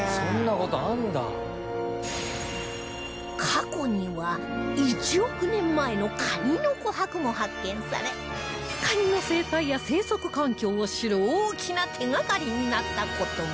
過去には１億年前のカニの琥珀も発見されカニの生態や生息環境を知る大きな手がかりになった事も